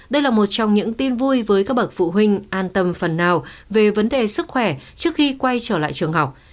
đây là một trong những tin vui với các bậc phụ huynh an tâm phần nào về vấn đề sức khỏe trước khi quay trở lại trường học